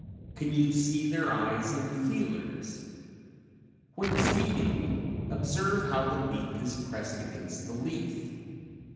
Can you see their eyes and feelers? When feeding observe how the beak is pressed against the leaf.